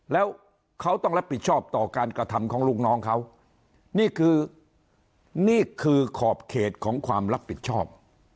แล้วเขาต้องรับผิดชอบต่อการกระทำของลูกน้องเขานี่คือนี่คือขอบเขตของความรับผิดชอบ